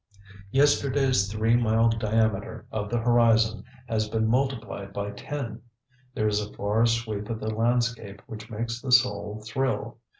Yesterday's three mile diameter of the horizon has been multiplied by ten. There is a far sweep of the landscape which makes the soul thrill.